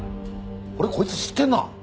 俺こいつ知ってるな。